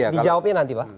dijawabnya nanti pak